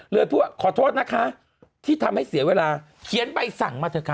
พูดว่าขอโทษนะคะที่ทำให้เสียเวลาเขียนใบสั่งมาเถอะค่ะ